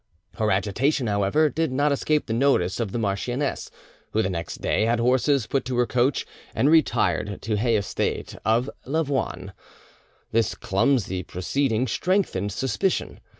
Her agitation, however, did not escape the notice of the marchioness, who the next day had horses put to her coach and retired to hey estate of Lavoine. This clumsy proceeding strengthened suspicion.